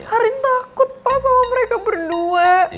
arin takut pas sama mereka berdua